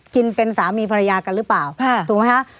กินเป็นสามีภรรยากันหรือเปล่าถูกไหมคะ